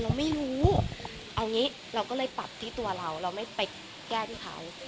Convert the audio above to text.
เราไม่รู้เอางี้เราก็เลยปรับที่ตัวเราเราไม่ไปแก้ที่เขา